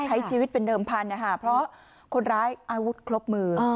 ใช้ชีวิตเป็นเดิมพันธุ์นะคะเพราะคนร้ายอาวุธครบมือ